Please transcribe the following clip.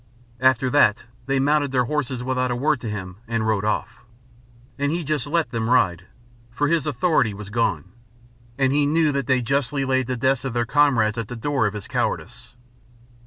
After that they mounted their horses without a word to him and rode off. And he let them ride; for his authority was gone; and he knew that they justly laid the deaths of their comrades at the door of his cowardice.